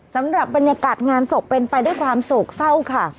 สำหรับบรรยากาศงานศพเป็นไปด้วยความโศกเศร้าค่ะ